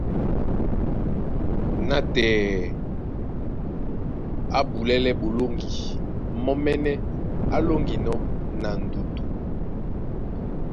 Nátɛɛ á bulɛ́lɛ́ ɓolóŋgi mɔ́mɛ́nɛ́ á lóŋginɔ́ na ndutu,